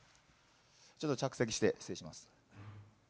ちょっと着席して、失礼します。